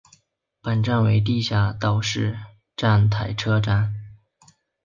本站为地下岛式站台车站。